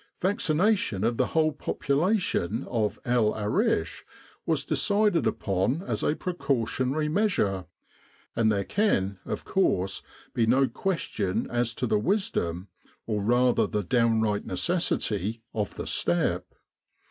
Vaccination of the whole population of El Arish was decided upon as a precautionary measure, and there can, of course, be no question as to the wisdom, or rather the downright necessity, of the step.